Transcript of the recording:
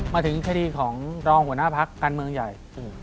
มาถึงคดีของรองหัวหน้าพักการเมืองใหญ่